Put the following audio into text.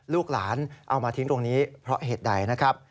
ลูกหลานเอามาทิ้งตรงนี้เพราะเหตุใดนะครับ